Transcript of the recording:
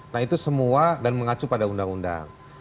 nah itu semua dan mengacu pada undang undang